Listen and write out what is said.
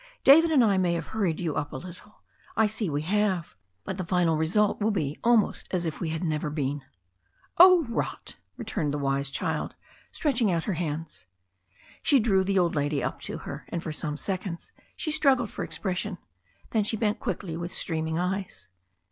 David and I may have hurried you up a little — I see we have, but the final result will be almost as if we had never been." "Oh, rot!" returned the wise child, stretching out her hands. She drew the old lady up to her, and for some seconds she struggled for expression. Then she bent quickly with streaming eyes.